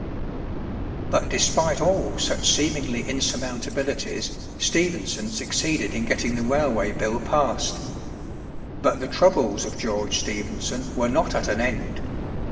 But despite all such seemingly insurmountabilities, Stephenson succeeded in getting the railway bill passed. But the troubles of George Stephenson were not at an end.